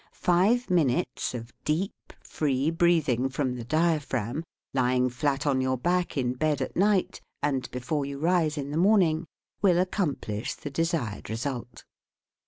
Five minutes r ( of deep, free breathing from the diaphragm, ( lying flat on your back in bed at night and before you rise in the morning, will accom plish the desired result.